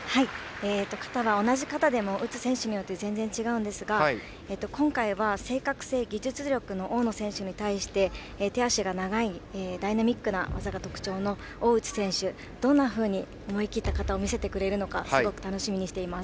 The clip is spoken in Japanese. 形は、同じ形でも打つ選手によって全然違うんですが、今回は正確性、技術力の大野選手に対し手足が長いダイナミックな技が特徴の大内選手がどんなふうに思い切った形を見せてくれるのかすごく楽しみにしています。